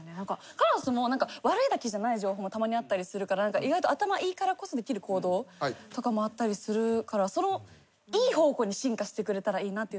カラスも悪いだけじゃない情報もたまにあったりするから意外と頭いいからこそできる行動とかもあったりするからいい方向に進化してくれたらいいなというのは。